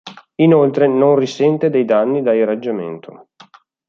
Inoltre non risente dei danni da irraggiamento.